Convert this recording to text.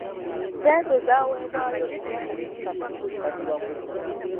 Ssente zaaweebwayo eri akakiiko akafuzi.